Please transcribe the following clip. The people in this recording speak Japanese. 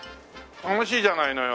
楽しいじゃないのよ。